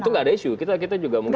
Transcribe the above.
itu gak ada isu kita juga mungkin